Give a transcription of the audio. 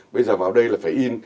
bây giờ vào đây là phải in